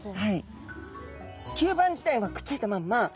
吸盤自体はくっついたまんま